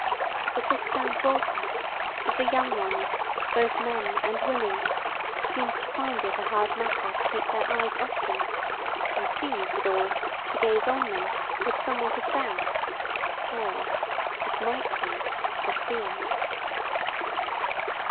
But this found Walter, that the younger ones, both men and women, seemed to find it a hard matter to keep their eyes off them; and seemed, withal, to gaze on them with somewhat of doubt, or, it might be, of fear.